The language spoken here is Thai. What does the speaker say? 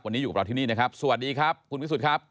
วันนี้อยู่กับเราที่นี่นะครับสวัสดีครับคุณวิสุทธิ์ครับ